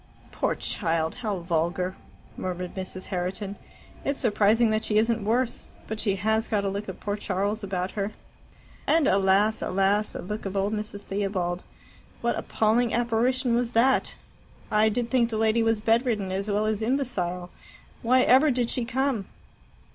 "Poor child, how vulgar!" murmured Mrs. Herriton. "It's surprising that she isn't worse. But she has got a look of poor Charles about her." "And alas, alas! a look of old Mrs. Theobald. What appalling apparition was that! I did think the lady was bedridden as well as imbecile. Why ever did she come?"